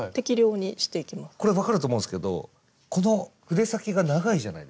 これ分かると思うんすけどこの筆先が長いじゃないですか。